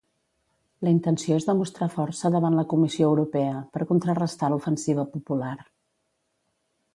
La intenció és demostrar força davant la Comissió Europea, per contrarestar l'ofensiva popular.